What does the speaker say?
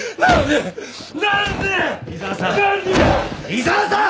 井沢さん！